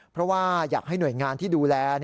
เพราะว่าอยากให้หน่วยงานที่ดูแล